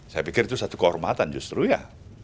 saya pikir itu satu kehormatan justru ya